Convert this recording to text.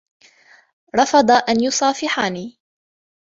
رفض ان يصافحني